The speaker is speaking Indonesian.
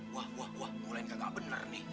wah wah wah mulai gak benar nih